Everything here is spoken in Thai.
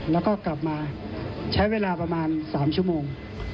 แล้วก็กลับมาใช้เวลาประมาณ๓ชั่วโมง